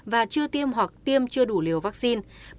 và chưa tiêm hoặc tiêm chưa đủ liều vaccine